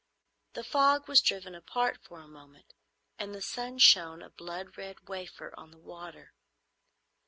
The fog was driven apart for a moment, and the sun shone, a blood red wafer, on the water.